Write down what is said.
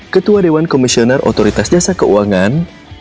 ketua dewan komisioner otoritas jasa keuangan